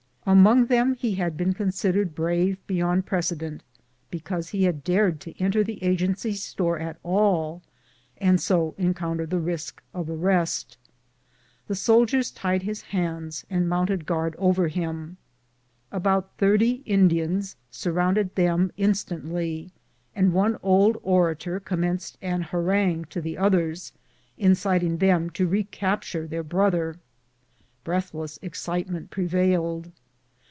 Among them he had been considered brave beyond precedent, because he had dared to enter the Agency store at all, and so encounter the risk of arrest. The soldiers tied his hands and mounted guard over him. About thirty Indians surrounded them instantly, and one old orator commenced an harangue to the others, in citing them to recapture their brother. Breathless ex citement prevailed.